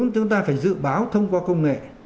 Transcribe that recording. chúng ta phải dự báo thông qua công nghệ